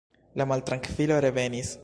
La maltrankvilo revenis.